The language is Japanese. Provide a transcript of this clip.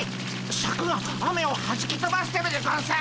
シャクが雨をはじきとばしてるでゴンス。